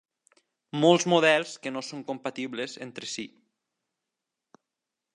Molts models que no són compatibles entre si.